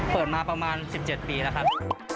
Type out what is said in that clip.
เปิดมาประมาณ๑๗ปีแล้วครับ